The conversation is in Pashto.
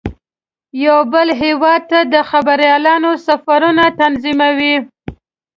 یو بل هیواد ته د خبریالانو سفرونه تنظیموي.